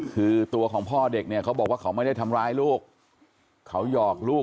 คือตัวของพ่อเด็กเนี่ยเขาบอกว่าเขาไม่ได้ทำร้ายลูกเขาหยอกลูก